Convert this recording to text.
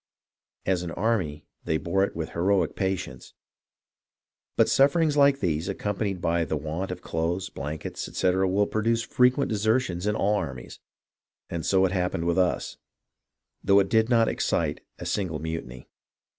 As an army, they bore it with heroic patience ; but sufferings like these, accompanied by the want of clothes, blankets, etc., will produce frequent desertions in all armies ; and so it happened with us, though it did not excite a single mutiny."